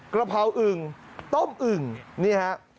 กระเพราอึ่งต้มอึ่งนี่ฮะ